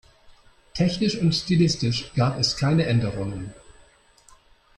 Technisch und stilistisch gab es keine Änderungen.